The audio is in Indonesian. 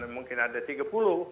mungkin ada tiga puluh